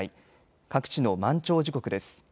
各地の満潮時刻です。